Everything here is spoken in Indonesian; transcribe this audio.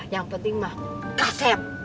yang penting mah kaset